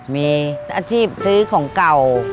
มีอาทิตย์ซื้อของเก่า